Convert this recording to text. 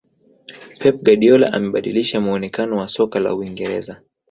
pep guardiola amebadilisha muonekano wa soka la uingereza